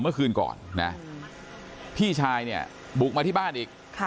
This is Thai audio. เมื่อคืนก่อนพี่ชายบุกมาที่บ้านอีก